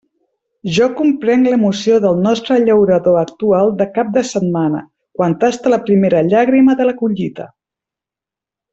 Jo comprenc l'emoció del nostre llaurador actual de cap de setmana quan tasta la primera llàgrima de la collita.